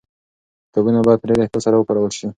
کتابونه باید په ډېر احتیاط سره وکارول سي.